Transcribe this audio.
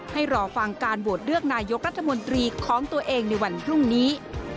ให้รอฟังการโหวตเลือกนายกรัฐมนตรีของตัวเองในวันพรุ่งนี้